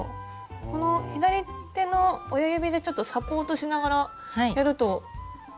この左手の親指でちょっとサポートしながらやると簡単にできました。